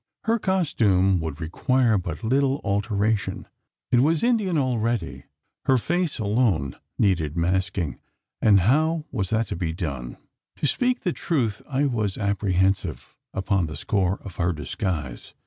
Her costume would require but little alteration: it was Indian already. Her face alone needed masking and how was that to be done? To speak the truth, I was apprehensive upon the score of her disguise.